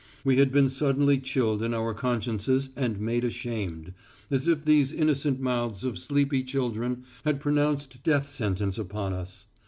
We had been suddenly chilled in our consciences and made ashamed, as if these innocent mouths of sleepy children had pronounced death sentence upon us.